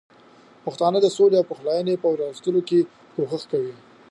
پښتانه د سولې او پخلاینې په راوستلو کې کوښښ کوي.